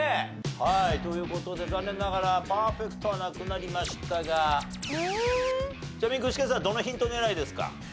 はいという事で残念ながらパーフェクトはなくなりましたがちなみに具志堅さんどのヒント狙いですか？